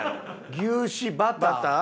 牛脂バター。